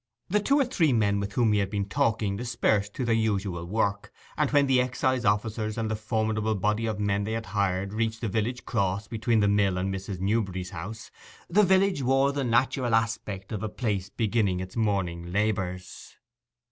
The two or three with whom he had been talking dispersed to their usual work, and when the excise officers, and the formidable body of men they had hired, reached the village cross, between the mill and Mrs. Newberry's house, the village wore the natural aspect of a place beginning its morning labours.